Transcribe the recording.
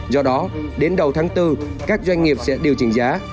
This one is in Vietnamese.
do đó đến đầu tháng bốn các doanh nghiệp sẽ điều chỉnh giá